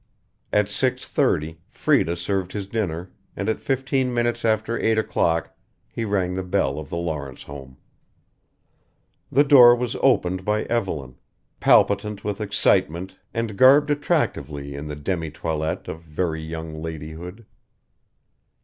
At six thirty Freda served his dinner and at fifteen minutes after eight o'clock he rang the bell of the Lawrence home. The door was opened by Evelyn: palpitant with excitement, and garbed attractively in the demi toilette of very young ladyhood.